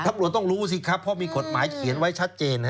ตำรวจต้องรู้สิครับเพราะมีกฎหมายเขียนไว้ชัดเจน